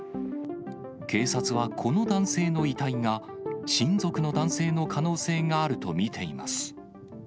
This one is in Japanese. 警察はこの男性の遺体が、親族の男性の可能性があると見ています。